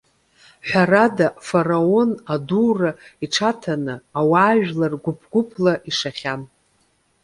Ҳәарада, Фараон адура иҽаҭаны, иуаажәлар гәыԥ-гәыԥла ишахьан.